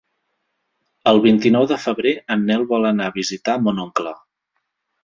El vint-i-nou de febrer en Nel vol anar a visitar mon oncle.